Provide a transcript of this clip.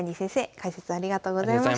解説ありがとうございました。